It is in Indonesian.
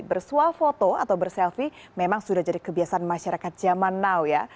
bersuah foto atau berselfie memang sudah jadi kebiasaan masyarakat zaman now ya